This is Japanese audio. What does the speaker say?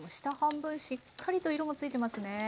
下半分しっかりと色もついてますね。